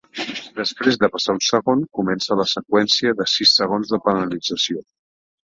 Després de passar un segon, comença la seqüència de sis segons de penalització.